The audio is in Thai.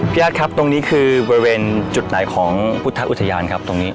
ญาติครับตรงนี้คือบริเวณจุดไหนของพุทธอุทยานครับตรงนี้